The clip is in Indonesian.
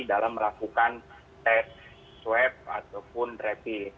dalam melakukan tes swab ataupun rapid